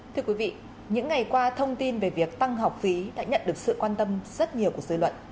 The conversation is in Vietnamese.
thưa quý vị những ngày qua thông tin về việc tăng học phí đã nhận được sự quan tâm rất nhiều của dư luận